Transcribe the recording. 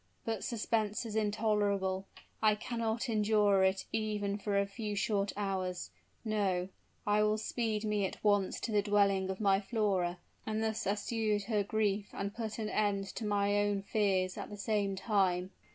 But suspense is intolerable, I cannot endure it even for a few short hours! No I will speed me at once to the dwelling of my Flora, and thus assuage her grief and put an end to my own fears at the same time!"